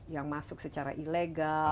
yang masuk secara ilegal